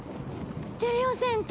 ジュリオ船長！